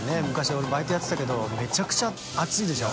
俺バイトやってたけどめちゃくちゃ暑いでしょ。